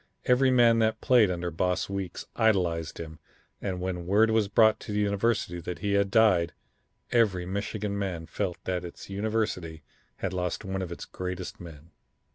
Every man that played under Boss Weeks idolized him, and when word was brought to the university that he had died, every Michigan man felt that its university had lost one of its greatest men.